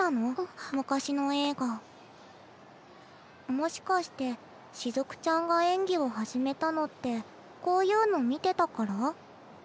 もしかしてしずくちゃんが演技を始めたのってこういうの見てたから？